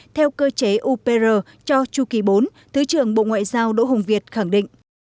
theo cơ chế upr cho chu kỳ bốn thứ trưởng bộ ngoại giao đỗ hùng việt khẳng định